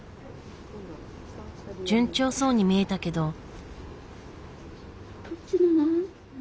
順調そうに見えたけど。